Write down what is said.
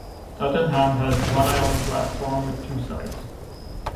Tottenham has one island platform with two sides.